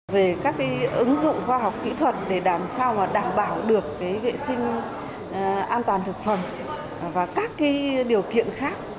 về các ứng dụng khoa học kỹ thuật để làm sao đảm bảo được vệ sinh an toàn thực phẩm và các điều kiện khác